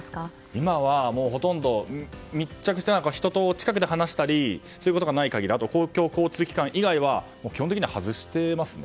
今は、もうほとんど人と近くで話したりそういうことがない限りあと、公共交通機関以外は基本的には外していますね